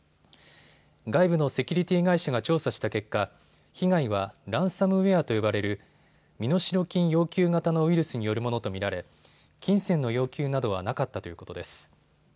外部のセキュリティー会社が調査した結果、被害はランサムウエアと呼ばれる身代金要求型のウイルスによるものと見られ金銭の要求などはなかったということです。